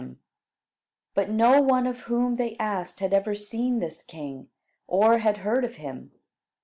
] But no one of whom they asked had ever seen this king, or had heard of him.